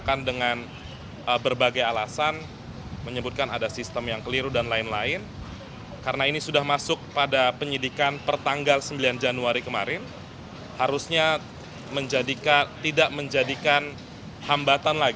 kalau saya melihat adalah seperti orang lain melihat